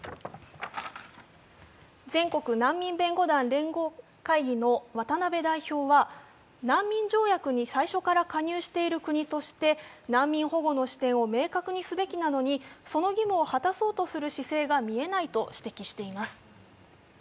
全国難民弁護団連絡会議の渡邉代表は、難民条約に最初から加入している国として難民保護の視点を明確にすべきなのにその義務を果たそうとする姿勢が見えないとしています。